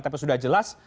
tapi sudah jelas